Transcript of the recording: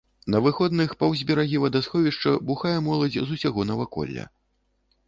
На выходных паўз берагі вадасховішча бухае моладзь з усяго наваколля.